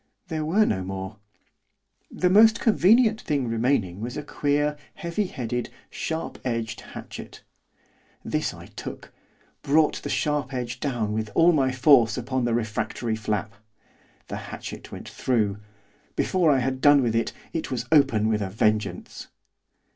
There were no more. The most convenient thing remaining was a queer, heavy headed, sharp edged hatchet. This I took, brought the sharp edge down with all my force upon the refractory flap. The hatchet went through, before I had done with it, it was open with a vengeance.